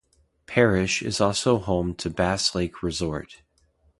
Parish is also home to Bass Lake Resort.